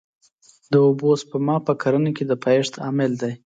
د اوبو سپما په کرنه کې د پایښت عامل دی.